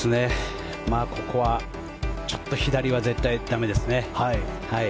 ここはちょっと左は絶対駄目ですね。